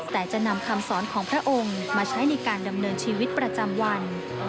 แต่จะนำคำสอนของพระองค์มาใช้ในการดำเนินชีวิตประจำวัน